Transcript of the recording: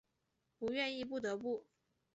不愿意不得不